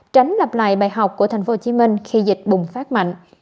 tránh lập lại bài học của tp hcm khi dịch bùng phát mạnh